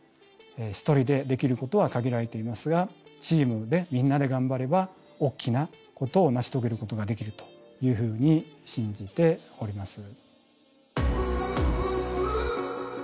一人でできることは限られていますがチームでみんなで頑張れば大きなことを成し遂げることができるというふうに信じております。